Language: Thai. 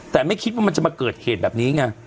แต่ไม่คิดว่ามันจะมาเกิดเหตุแบบนี้ไง